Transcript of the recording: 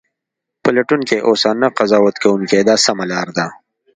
پلټونکی اوسه نه قضاوت کوونکی دا سمه لار ده.